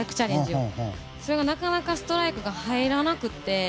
それが、なかなかストライクが入らなくて。